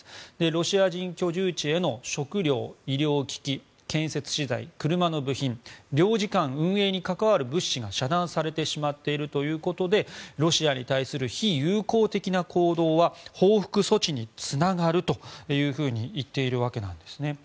ロシア人居住地への食料、医療機器、建設資材車の部品領事館運営に関わる物資が遮断されてしまっているということでロシアに対する非友好的な行動は報復措置につながるというふうに言っているわけなんですね。